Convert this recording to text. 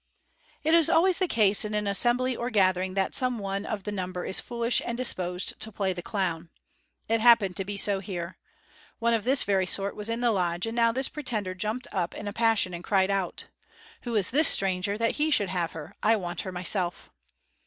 It is always the case in an assembly or gathering that some one of the number is foolish and disposed to play the clown. It happened to be so here. One of this very sort was in the lodge, and now this pretender jumped up in a passion and cried out: "Who is this stranger, that he should have her? I want her myself."